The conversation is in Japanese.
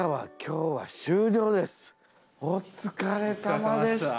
お疲れさまでした。